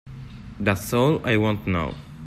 That's all I want to know.